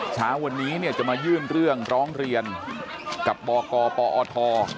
เช้าวันนี้เนี่ยจะมายื่นเรื่องร้องเรียนกับบกปอท